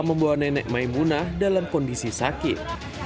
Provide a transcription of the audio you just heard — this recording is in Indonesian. membawa nenek maimunah dalam kondisi sakit